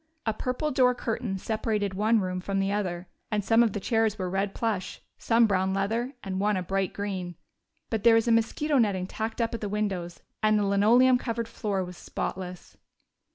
A purple door curtain separated the one room from the other, and some of the chairs were red plush, some brown leather, and one a bright green. But there was mosquito netting tacked up at the windows, and the linoleum covered floor was spotless.